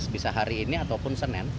bisa hari ini ataupun senin